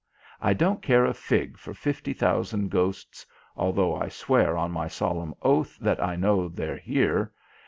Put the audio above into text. I don't care a fig for fifty thousand ghosts, although I swear on my solemn oath that I know they're here.